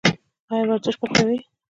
ایا ورزش به کوئ؟